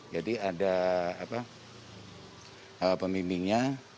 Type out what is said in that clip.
jadi ada pemimpingnya